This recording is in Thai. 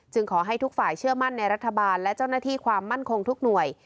ขอให้ทุกฝ่ายเชื่อมั่นในรัฐบาลและเจ้าหน้าที่ความมั่นคงทุกหน่วย